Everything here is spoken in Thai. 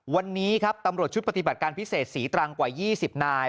วันนี้ครับตำรวจชุดปฏิบัติการพิเศษศรีตรังกว่า๒๐นาย